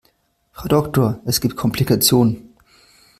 Frau Doktor, es gibt Komplikationen.